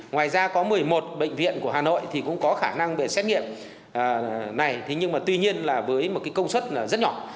ngoài ra có một mươi một bệnh viện của hà nội thì cũng có khả năng về xét nghiệm này nhưng mà tuy nhiên là với một công suất rất nhỏ